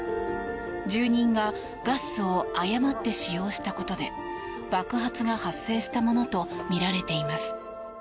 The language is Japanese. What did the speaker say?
住人がガスを誤って使用したことで爆発が発生したものとみられています。